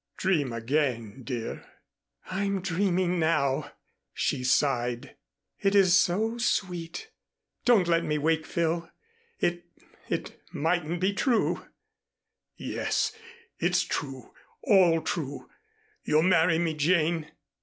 "Dream again, dear." "I'm dreaming now," she sighed. "It is so sweet. Don't let me wake, Phil. It it mightn't be true." "Yes, it's true, all true. You'll marry me, Jane?"